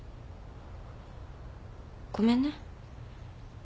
ごめんね。